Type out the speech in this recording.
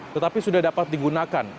tetapi sudah dapat digunakan